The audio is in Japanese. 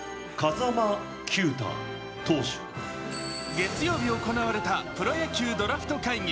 月曜日行われたプロ野球・ドラフト会議。